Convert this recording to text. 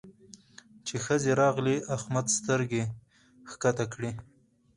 چې ښځې راغلې؛ احمد سترګې کښته کړې.